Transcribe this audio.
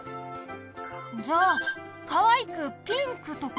じゃあかわいくピンクとか？